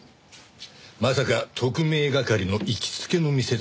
まさか特命係の行きつけの店だったとは。